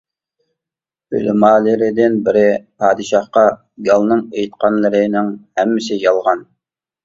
ئۆلىمالىرىدىن بىرى پادىشاھقا:-گالنىڭ ئېيتقانلىرىنىڭ ھەممىسى يالغان.